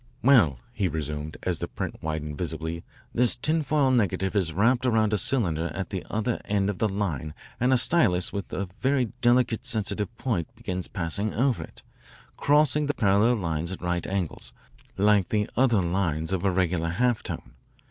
"Well, he resumed as the print widened visibly, this tinfoil negative is wrapped around a cylinder at the other end of the line and a stylus with a very delicate, sensitive point begins passing over it, crossing the parallel lines at right angles, like the other lines of a regular halftone.